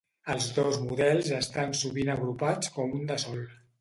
Els dos models estan sovint agrupats com un de sol.